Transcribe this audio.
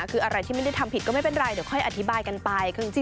คืออะไรที่ไม่ได้ทำผิดก็ไม่เป็นไรเดี๋ยวค่อยอธิบายกันไป